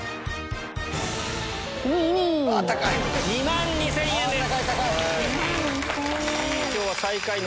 ２万２０００円です！